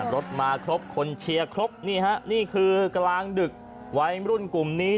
รถมาครบคนเชียงครบนี่คือกลางดึกไว้รุ่นกลุ่มนี้